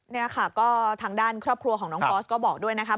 นี่ค่ะก็ทางด้านครอบครัวของน้องฟอสก็บอกด้วยนะครับ